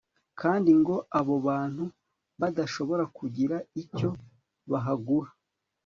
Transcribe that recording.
kandi ngo abo bantu badashobora kugira icyo bahagura